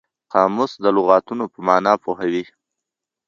قاموس د لغتونو په مانا پوهوي.